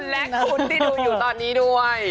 และคุณที่ดูอยู่ตอนนี้ด้วย